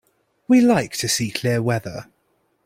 We like to see clear weather.